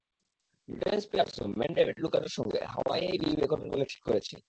Britney স্পিয়ার্সও মেন David লুকাডোর সঙ্গে হাওয়াইয়েই বিয়ে করবেন বলে ঠিক করেছেন।